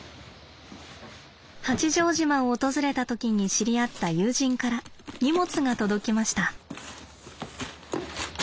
八丈島を訪れた時に知り合った友人から荷物が届きました。